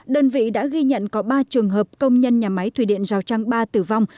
đơn vị đã ghi nhận có ba trường hợp công nhân nhà máy thủy điện rào trang ba tử vong